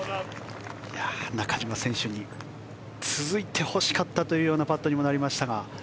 中島選手に続いてほしかったというパットになりましたが。